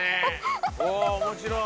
お面白い。